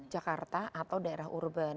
jakarta atau daerah urban